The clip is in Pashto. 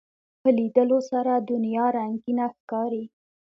په لیدلو سره دنیا رنگینه ښکاري